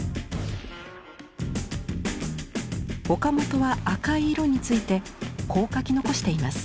岡本は赤い色についてこう書き残しています。